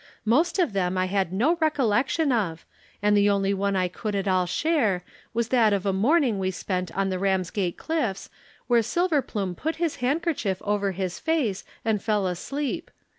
Most of them I had no recollection of, and the only one I could at all share was that of a morning we spent on the Ramsgate cliffs where Silverplume put his handkerchief over his face and fell asleep.